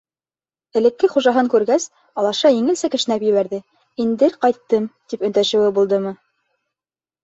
Элекке хужаһын күргәс, алаша еңелсә кешнәп ебәрҙе, индер, ҡайттым, тип өндәшеүе булдымы.